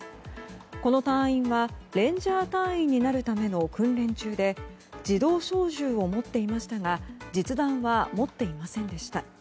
この隊員はレンジャー隊員になるための訓練中で自動小銃を持っていましたが実弾は持っていませんでした。